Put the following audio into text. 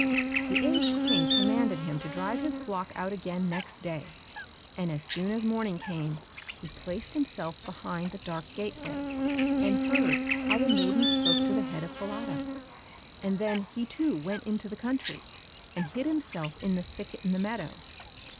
The aged King commanded him to drive his flock out again next day, and as soon as morning came, he placed himself behind the dark gateway, and heard how the maiden spoke to the head of Falada, and then he too went into the country, and hid himself in the thicket in the meadow.